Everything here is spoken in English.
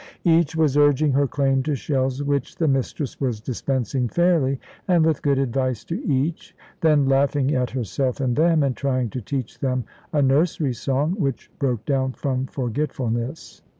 Each was urging her claim to shells, which the mistress was dispensing fairly, and with good advice to each, then laughing at herself and them, and trying to teach them a nursery song, which broke down from forgetfulness.